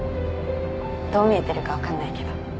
どう見えてるか分かんないけど。